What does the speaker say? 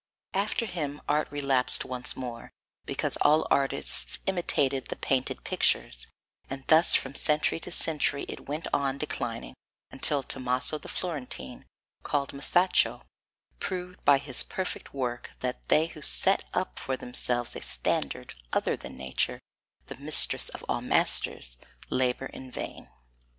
After him art relapsed once more, because all artists imitated the painted pictures, and thus from century to century it went on declining, until Tomaso the Florentine, called Masaccio, proved by his perfect work that they who set up for themselves a standard other than nature, the mistress of all masters, labour in vain.